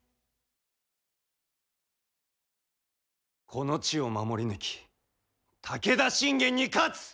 この地を守り抜き武田信玄に勝つ！